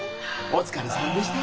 お疲れさまでした。